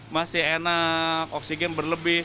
masih enak oksigen berlebih